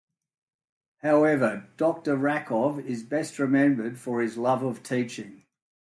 However, Doctor Rakov is best remembered for his love of teaching.